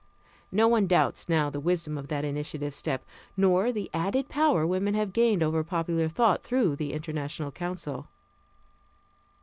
No one doubts now the wisdom of that initiative step nor the added power women have gained over popular thought through the International Council.